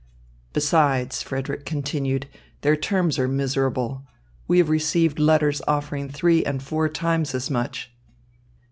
"Besides," Frederick continued, "their terms are miserable. We have received letters offering three and four times as much."